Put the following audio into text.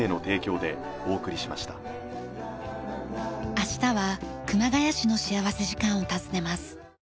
明日は熊谷市の幸福時間を訪ねます。